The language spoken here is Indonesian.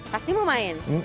pasti mau main